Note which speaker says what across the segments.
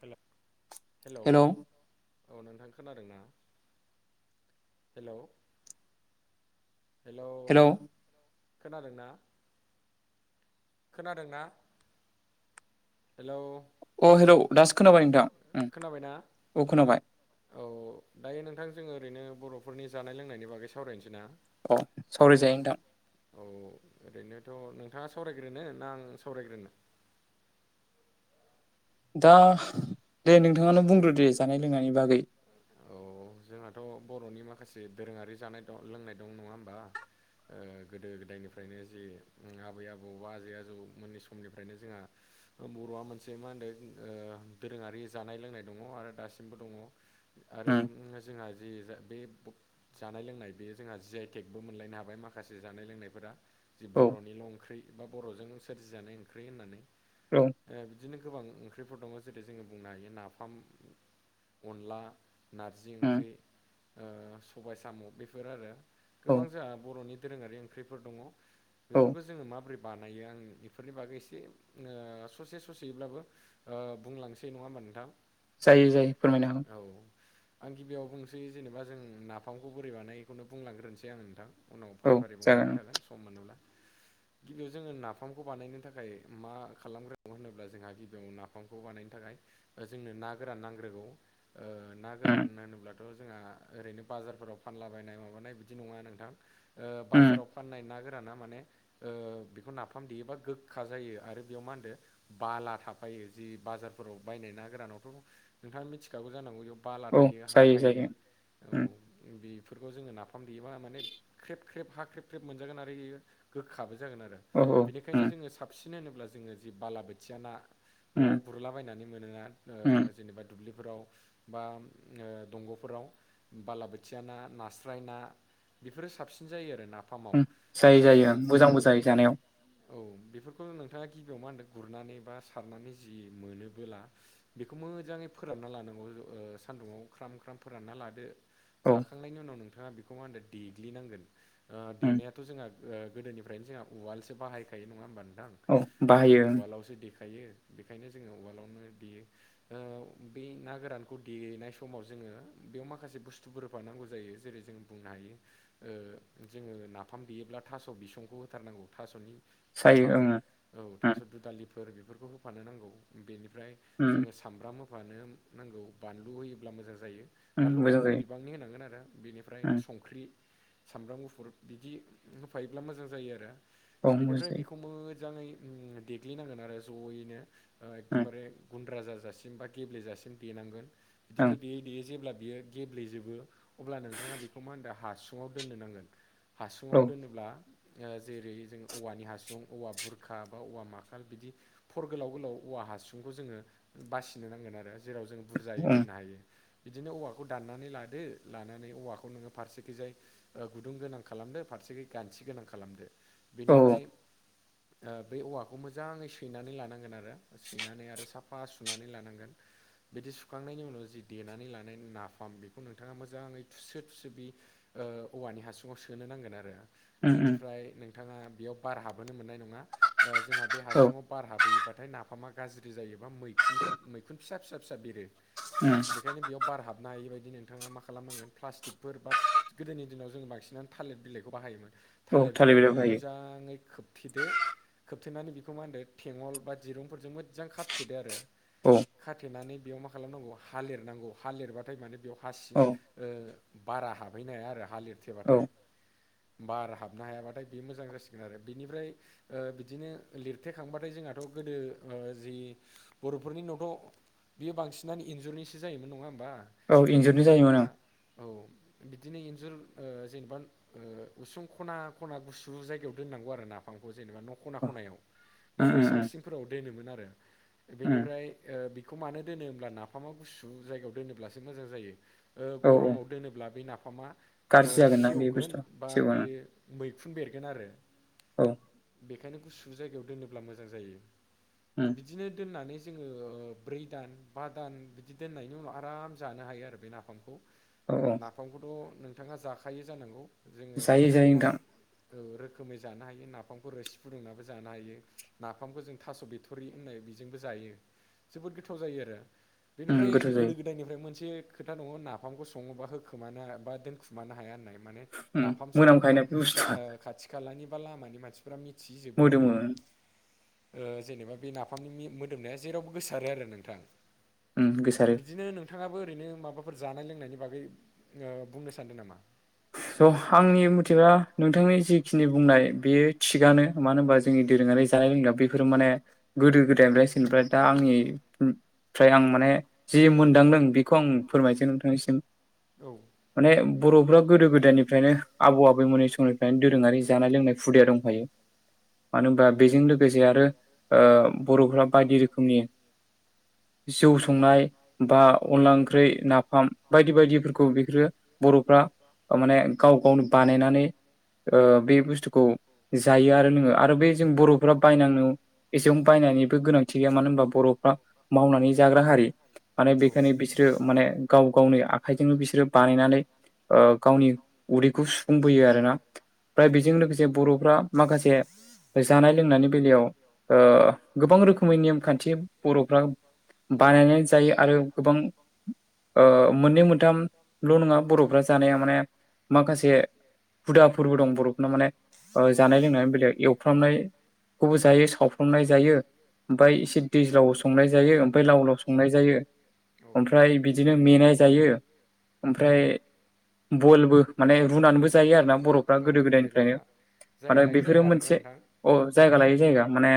Speaker 1: हेल'-हेल'। औ नोंथां खोनादोंना? हेल'। हेल'। खोनादों ना? खोनादोंना? हेलौ।
Speaker 2: अ' हेलौ दासो खोनाबाय नोंथां। ओम अ' खोनाबाय।
Speaker 1: औ दायो नोंथां जोङो ओरैनो बर'फोरनि जानाय लोंनायनि बागै सावरायनोसै ना?
Speaker 2: औ सावरायजायो नोंथां।
Speaker 1: औ ओरैनोथ' नोंथाङा सावरायग्रोनो ना आं सावरायग्रोनो?
Speaker 2: दा दे नोंथाङानो बुंदोदे जानाय लोंनायनि बागै।
Speaker 1: औ जोंहाथ' बर'नि माखासे दोरोङारि जानाय लोंनाय दं नङा होमबा। ओ गोदो गोदायनिफ्रायनो जि आबै-आबौ बा आजै-आजौमोननि समनिफ्रायनो जोंहा बर'आ मोनसे मा होनदों ओ दोरोङारि जानाय लोंनाय दङ आरो दासिमबो दङ। आरो उम जोंहा जि बे ब जानाय लोंनाय बेयो जोंहा जि आइ टेकबो मोनलायनो हाबाय माखासे जानाय लोंनायफोरा। जि बर'निल' ओंख्रि बा बर'जोंनो सोरजिजानाय ओंख्रि होननानै।
Speaker 2: औ
Speaker 1: ए बिदिनो गोबां ओंख्रिफोर दङ' जेरै जोङो बुंनो हायो नाफाम अनला नारजि ओंख्रि सबाय साम' बेफोर आरो। गोबां जोंहा बर'नि दोरोङारि ओंख्रिफोर दङ' बेफोरखौ जोङो माब्रै बानायो आं बेफोरनि बागै एसे ओ ससे ससेयैब्लाबो ओ बुंलांनोसै नङा होमबा नोंथां।
Speaker 2: जायो जायो फोरमायनो हागोन।
Speaker 1: औ आं गिबियाव बुंसै जेनेबा जों नाफामखौ बोरै बानायो बेखौनो बुंलांग्रोनोसै आं नोंथां। उनाव फारि फारि बुंलांबाय थागोन सम मोनोब्ला। गिबियाव जोङो नाफामखौ बानायनो थाखाय मा खालामग्रो होनोब्ला जोंहा गिबियाव नाफामखौ बानायनो थाखाय जोंनो ना गोरान नांग्रोगौ ओ गोरान होनोब्लाथ' जोंहा ओरैनो बाजारफोराव फानलाबायनाय माबानाय बिदि नङा नोंथां। ओ बाजाराव फाननाय ना गोराना माने ओ बेखौ नाफाम देयोबा गोखा जायो आरो बेयाव मा होनदो बाला थाफायो जि बाजारफोराव बायनाय ना गोरानावथ' नोंथाङा मिथिखागौ जानांगौ बाला थायो हा थायो औ बेफोरखौ जोङो नाफाम देयोबा माने ख्रेब ख्रेब हा ख्रेब ख्रेब मोनजागोन आरो बेयो गोखाबो जागोन आरो। बेनिखायनो जोङो साबसिन होनोब्ला जोङो जि बालाबोथिया ना न'आव गु गुरलाबायनानै मोनोना ओ जेनेबा दुब्लिफोराव। बा ओ दंग'फोराव बालाबोथिया ना नास्राय ना बेफोरो साबसिन जायो आरो नाफामाव औ बै औ। औ बेफोरखौ नोंथाङा गिबियाव मा होनदों गुरनानै बा सारनानै जि मोनोबोला बेखौ मोजाङै फोरानना लानांगौ। ओ सानदुङाव ख्राम ख्राम फोरानना लादो लाखांनायनि उनाव नोंथाङा बेखौ मा होनो देग्लि नांगोन ओ देनायाथ' जोंहा ओ गोदोनिफ्रायनो जोंहा उवालसो बाहायखायो नङा होमबा नोंथां उवालावसो देखायो। बेखायनो जोङो उवालावनो देयो ओ बै गोरान खौ देनाय समाव जोङो बेयाव माखासे बुस्थुफोरफा नांगौ जायो जेरै जों बुंनो हायो ओ जोङो नाफाम दैेयोब्ला थास' बिसंखौ होथारनांगौ थास'नि बिफां औ थास' दुदालिफोर बेफोरखौ होफानो नांगौ बेनिफ्राय जोङो सामब्राम होफानो नांगौ बानलु होयोब्ला मोजां जायो। बानलुखौ खम बिबाननि होनांगोन आरो बेनिफ्राय संख्रि सामब्राम गुफुर बिदि होफायोब्ला मोजां जायो आरो बेनिफ्राय बेखौ मोजाङै उम देग्लिनांगोन आरो ज'यैनो ओ एकदमबारे गुन द्रा जाजासिम बा गेब्लेेजासिम देनांगोन बिदिनो दयै देयै जेब्ला बियो गेब्लेजोबो अब्ला नोंथाङा बेखौ मा होनदों हासुङाव दोननो नांगोन। हासुङाव दोनोब्ला ओ जेरै जों औवानि हासुं औवा बुरखा बा औवा माखाल बिदि फर गोलाव गोलाव औवा हासुंखौ जोङो बासिनो नांगोन आरो जेराव जों बुरजायै दोननो हायो। बिदिनो औवाखौ दाननानै लादो लानानै औवाखौ नोङो फारसेखैजाय ओ गुदुं गोनां खालामदो फारसेखै गानथि गोनां खालामदो बेनिफ्राय ओ बे औवाखौ मोजाङै सैनानै लानांगोन आरो सैनानै आरो साफा सुनानै लानांगोन। बिदि सुखांनायनि उनाव जि देनानै लानाय नाफाम बेखौ नोंथाङा मोजाङै थुसो थुसो बि ओ औवानि हासुङाव सोनो नांगोन आरो। बेनिफ्राय नोंथाङा बेयाव बार हाबहोनो मोननाय नङा ओ जोंहा बे हासुङाव बार हाबैयोबाथाय नाफामा गाज्रि जायो बा मैखुन मैखुन फिसा फिसा फिसा बेरो। बेखायनो बेयाव बार हाबनो हायै बायदि नोंथाङा मा खालामनांगोन प्लास्टिकफोर बा गोदोनि दिनाव जोङो बांसिनानो थालिर बिलाइखौ बाहायोमोन थालिर बिलाइखौ मोजाङै खोब थेदो खोबथेनानै बेखौ मा होनदो थेेंगल बा दिरुंफोरजों मोजां खााबथेदो आरो खाथेनानै बेयाव मा खालामनांगौ हा लिरनांगौ हा लिरबाथाय माने बेयाव हासि ओ बारा हाबहैनो हाया आरो हा लिरथेबाथाय। बार हाबनो हायाबाथाय बे मोजां जासिगोन आरो बेनिफ्राय ओ बिदिनो लिरथेखांबाथाय जोंहाथ' गोदो ओ जि बर'फोरनियावथ' बेयो बांसिनानो इन्जुरनिसो जायोमोन नङा होमबा ओ इन्जुरनिहा औ बिदिनो एन्जुर ओ जेनेबा ओ उसुं खना खना गुसु जायगायाव दोननांगौ आरो नाफामखौ जेनेबा न' खना खनायाव बा बैसां सिंफोराव दोनोमोन आरो बेनिफ्राय ओ बेखौ मानो दोनो होमब्ला नाफामा गुसु जायगायाव दोनोब्लासो मोजां जायो। ओ गरमाव दोनोब्ला बे नाफामा ओ सेवगोन बा बियो मैखुन बेरगोन आरो।
Speaker 2: औ
Speaker 1: बेखायनो गुसु जायगायाव दोनोब्ला मोजां जायो बिदिनो दोननानै जोङो ब्रै दान बा दान बिदि दोननायनि उनाव आराम जानो हायो आरो बे नाफामखौ। नाफामखौथ' नोंथाङा जाखायो जानांगौ जोङो गोबां रोखोमै जानो हायो नाफामखौ रोसि फुदुंनाबो जानो हायो। नाफामखौ जों थास' बिथ'रि होननाय बेजोंबो जायो जोबोद गोथाव जायो आरो। बेनिफ्राय गोदो गो दायनिफ्राय मोनसे खोथा दङ नाफामखौ सङोबा होखोमानो बा दोनखुमानो हाया होननाय माने नाफाम संयोब्ला गा ओ खाथि खालानि बा लामानि मानसिफोरा फोरा मिथिजोबो होननाय। ओ जेनेबा बे नाफामनि मोदोमनाया जेरावबो गोसारो आरो नोंथां। बिदिनो नोंथाङाबो ओरैनो माबाफोर जानाय लोंनायनि बागै ओ बुंनो सानदों नामा?
Speaker 2: थ' आंनि मथेबा नोंथांनि जिखिनि बुंनाय बेयो थिगानो मानो होनबा जोंनि दोरोङारि जानाय लोंनाय बेफोरो माने गोदो गोदायनिफ्रायनो सोलिबोनाय दा आंनि फ्राय आं माने जि मोनदांदों बेखौ आं फोरमायसै नोंथांनिसिम।
Speaker 1: औ
Speaker 2: माने बर'फ्रा गोदो गोदायनिफ्रायनो आबौ आबैमोनि समनि फ्रायनो दोरोङारि जानाय लोंनाय हुदाया दंखायो। मानो होनबा बेजों लोगोसे आरो ओ बर'फ्रा बायदि रोखोमनि जौ संनाय बा अनला ओंख्रि नाफाम बायदि बायदिफोरखौ बिफोरो बर'फ्रा माने गाव गावनो बानायनानै ओ बे बुस्थुखौ जायो आरो लोंङो आरो बे जों बर'फ्रा बायनांनो एसेबां बायनायनिबो गोनांथि गैया मानो होनबा बर'फ्रा मावनानै जाग्रा हारि। माने बेखायनो बिसोरो माने गाव गावनि आखाइजोंनो बिसोरो बानायनानै ओ गावनि उदैखौ सुफुंबोयो आरोना ओमफ्राय बेजों लोगोसे बर'फ्रा माखासे बे जानाय लोंनायनि बेलायाव ओ गोबां रोखोमै नेमखान्थि बर'फ्रा बानायनानै जायो आरो गोबां ओ मोननै मोनथामल' नङा बर'फ्रा जानाया माने माखासे हुदाफोरबो दं बर'फोरना माने ओ जानाय लोंनायनि बेलायाव एवफ्रामनाय खौबो जायो सावफ्रोमनाय जायो ओमफ्राय इसे दैज्लाव संनाय जायो ओमफ्राय लाव लाव संनाय जायो। ओमफ्राय बिदिनो मेनाय जायो ओमफ्राय बलबो माने रुनानैबो जायो आरो ना बर' बा गोदो गोदायनिफ्राय माने बेफोरो मोनसे अ जायगा लायै जायगा माने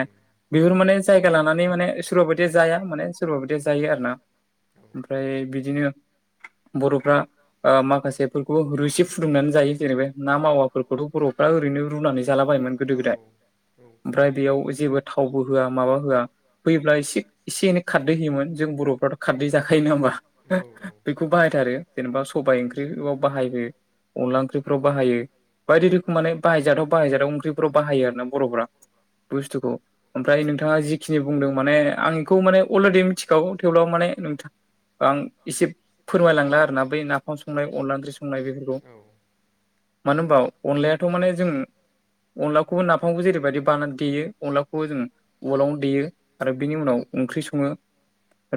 Speaker 2: बेफोर माने जायगा लानानै माने सोरबा बायदिया जाया माने सोरबा बायदिया जायो आरो ना। ओमफ्राय बिदिनो बर'फ्रा ओ माखासे फिथा [unintelligible] इफोरखौ रुसि फुदुंनानै जायो जेनेबा ना मावाफोरखौथ' बर'फ्रा ओरैनो रुनानै जालाबायोमोन गोदो गोदाय। ओमफ्राय बेयाव जेबो थावबो होआ माबा होआ होयोब्ला एसे एसे एनै खारदै होयोमोन जों बर'फ्राथ' खारदै जाखायो नङा होमबा? बेखौ बाहायथारो जेनेबा सबाइ ओंख्रियाव बाहाय होयो। अनला ओंख्रिफ्राव बाहायो बायदि रोखोम माने बाहायजाथाव बाहायजाथाव ओंख्रिफोराव बाहायो आरो ना बर'फोरा बुस्थुखौ ओमफ्राय नोंथाङा जिखिनि बुंदों माने आं एखौ माने अलरेडि मिथिखागौ थेवब्लाबो माने नोंथां आं इसे फोरमायलांनो आरोना बै नाफाम संनाय अनला ओंख्रि संनाय बेफोरखौ मानो होनबा अनलायाथ' माने जों अनलाखौबो नाफामखौ जेरैबायदि बानानै देयो अनलाखौबो जोङो उवालावनो देयो आरो बेनि उनाव ओंख्रि सङो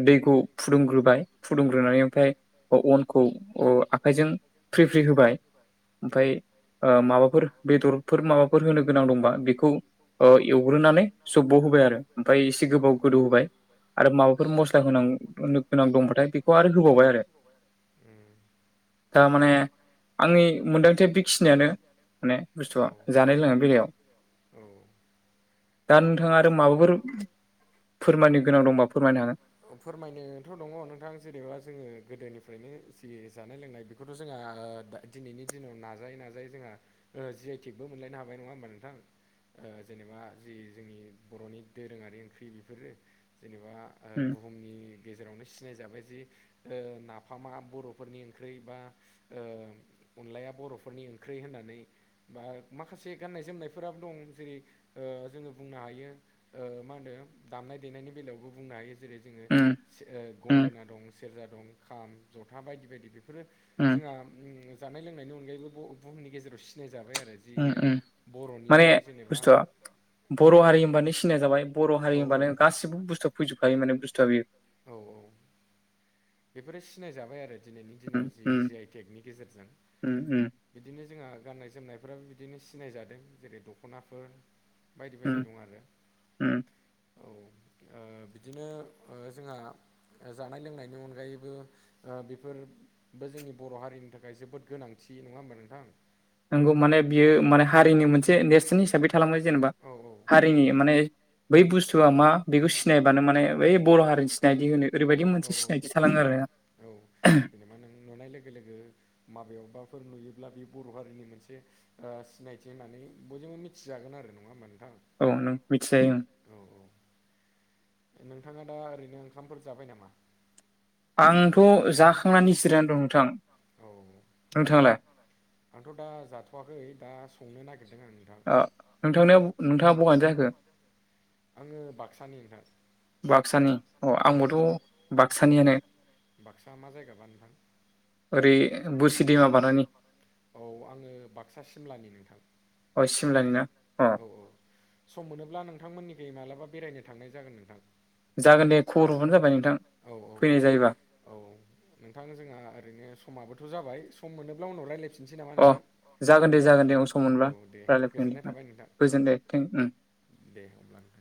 Speaker 2: दैखौ फुदुंग्रोबाय फुदुंग्रोनानै ओमफ्राय अ-अनखौ अ आखाइजों फ्रि फ्रि होबाय ओमफाय ओ माबाफोर बेदरफोर माबाफोर होनो गोनां दंबा बेखौ अ एवग्रोनानै जब्ब' होबाय आरो ओमफाय एसे गोबाव गोदौ होबाय आरो माबाफोर मस्ला होनां होनो गोनां दंबाथाय बेखौ आरो होबावबाय आरो। दा माने आंनि मोनदांथिया बेखिनियानो माने बुस्थुआ जानाय लोंनायनि बेलायाव
Speaker 1: औ
Speaker 2: दा नोंथाङा आरो माबाफोर फोरमायनो गोनां दंबा फोरमायनो हागोन
Speaker 1: अ फोरमायनोथ' दङ नोंथां जेनेबा जोङो गोदोनिफ्रायनो जि जानाय लोंनाय बे खौथ' जोंहा ओ दा दिनैनि दिनाव नाजायै नाजायै जोंहा ओ जि आइ टेग बो मोनलायनो हाबाय नङा होमबा नोंथां ओ जेनेबा जि जोंनि बर'नि दोरोङारि ओंख्रि बेफोरो जेनेबा बुहुमनि गेजेरावनो सिनायजाबाय जि ओ नाफामा बर'फोरनि ओंख्रि बा ओ अनलाया बर'फोरनि ओंख्रि होननानै बा माखासे गाननाय जोमनायफोराबो दं जेरै ओ जोङो बुंनो हायो। ओ मा होनो दामनाय देनायनि बेलायावबो बुंनो हायो जेरै जोङो गंगोना दं सेरजा दं खाम जथा बायदि बायदि बेफोरो जोंहा उम जानाय लोंनायनि अनगायैबो बु-बुहुमनि गेजेराव सि सिनायजाबाय आरो जियो बर'निल' जेनेबा
Speaker 2: बर' हारि होनबानो सिनाय जाबाय बर' हारि होनबानो गासिबो बुस्थुआ फैजोबखायो माने बुस्थुआ बि
Speaker 1: औ औ बेफोरो सिनायजाबाय आरो दिनैनि दिनाव जि आइ टेक नि गेजेरजों बिदिनो जोंहा गाननाय जोमनायफ्राबो बिदिनो सिनाय जादों जेरै दख'नाफोर बायदि बायदि दं आरो। औ ओ बिदिनो ओ जोंहा ओ जानाय लोंनायनि अन गायैबो ओ बेफोरबो जोंनि बर' हारिनि थाखाय जोबोद गोनांथि नङा होमबा नोंथां?
Speaker 2: नोंगौ माने बियो माने हारिनि मोनसे नेर्सोन हिसाबै थालांबाय जेनेबा
Speaker 1: औ औ
Speaker 2: हारिनि माने बै बुस्थुआ मा बेखौ सिनायबानो माने बै बर' हारि सिनायथि होनो ओरैबायदि मोनसे सिनायथि थालाङो आरो।
Speaker 1: मा नों नुनाय लोगो लोगो माबेयावबाफोर नुयोब्ला बे बर' हारिनि मोनसे ओ सिनायथि होननानै बयजोंबो मिथिजागोन आरो नंङा होनबा नोंथां।
Speaker 2: औ नों मिथिजायो ओं।
Speaker 1: औ औ नोंथाङा दा ओरैनो ओंखामफोर जाबाय नामा?
Speaker 2: आंथ' जाखांनानै जिरायना दं नोंथां।
Speaker 1: औ
Speaker 2: नोंथाङालाय?
Speaker 1: आंथ' दा जाथ'वाखै दा संनो नागिरदों आं नोंथां।
Speaker 2: अ नोंथांनियाव नोंथाङा बहानि जाखो?
Speaker 1: आङो बाक्सानि नोंथां।
Speaker 2: बाक्सानि अ आंबोथ' बाक्सानियानो।
Speaker 1: बाक्सा मा जायगाबा नोंथां?
Speaker 2: ओरै बोरसि दैमा बारना
Speaker 1: औ आङो बाक्सा सिमलानि नोंथां।
Speaker 2: अ सिमलानि ना अ
Speaker 1: अ सम मोनोब्ला नोंथांमोननिखै मालाबा बेरायनो थांनाय जागोन नोंथां।
Speaker 2: जागोन दे खबर हरबानो जाबाय नोंथां।
Speaker 1: औ औ औ औ नोंथां जोंहा ओरैनो समाबोथ' जाबाय सम मोनोब्ला उनाव रायलायफिन निसै नामा नोंथां औ जागोन दे औ दे गोजोननाय थाबाय नोंथां। दे होमब्ला।